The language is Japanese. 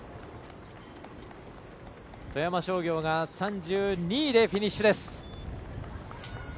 富山商業が３２位でフィニッシュです。